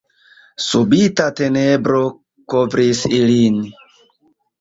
Subita tenebro kovris ilin.